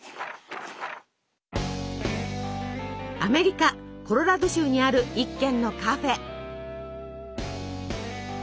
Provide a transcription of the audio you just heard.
アメリカコロラド州にある１軒のカフェ。